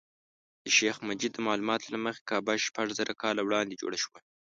د شیخ مجید د معلوماتو له مخې کعبه شپږ زره کاله وړاندې جوړه شوه.